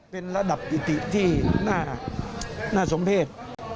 เป็นระดับกิติที่น่าสมเพศ